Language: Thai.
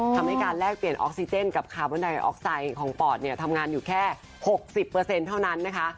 ทำให้การแลกเปลี่ยนออกซิเจนกับคาร์บอนไดออกไซด์ของปอดเนี่ยทำงานอยู่แค่๖๐เท่านั้นนะคะ